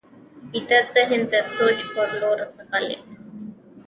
ویده ذهن د سوچ پر لور ځغلي